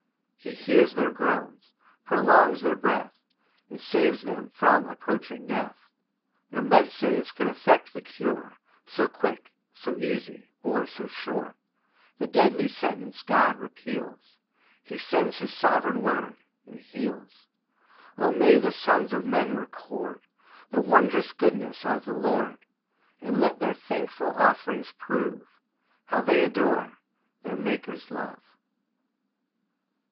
He hears their groans, prolongs their breath, And saves them from approaching death, 5 No med'cines could effect the cure So quick, so easy, or so sure: The deadly sentence God repeals, He sends his sovereign word, and heals, 6 O may the sons of men record The wondrous goodness of the Lord! And let their thankful offerings prove How they adore their Maker's love.